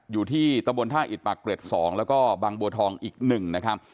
อยู่ที่ตะบนท่าอิดปากเกร็ด๒แล้วก็บางบัวทองอีก๑นะครับ